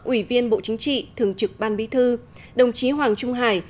ủy viên bộ chính trị thường trực ban bí thư đồng chí hoàng trung hải